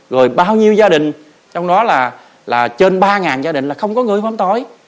rồi bao nhiêu gia đình trong đó là trên ba gia đình là không có người phám tối